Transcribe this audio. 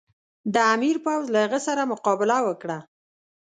د امیر پوځ له هغه سره مقابله وکړه.